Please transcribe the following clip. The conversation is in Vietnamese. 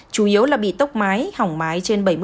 chủ yếu là bị tốc mái hỏng mái trên bảy mươi